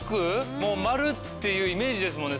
もう丸っていうイメージですもんね